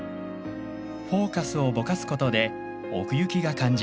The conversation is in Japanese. フォーカスをぼかすことで奥行きが感じられます。